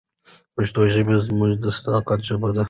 پښتو ژبه زموږ د صداقت ژبه ده.